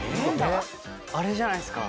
あれじゃないですか。